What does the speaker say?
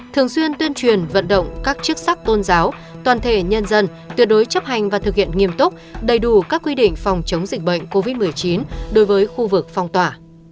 thường xuyên tuyên truyền vận động các chức sắc tôn giáo toàn thể nhân dân tuyệt đối chấp hành và thực hiện nghiêm túc đầy đủ các quy định phòng chống dịch bệnh covid một mươi chín đối với khu vực phong tỏa